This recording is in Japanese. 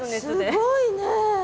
すごいね！